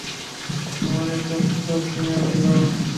আমারে দত্তক নিয়া ফেলো।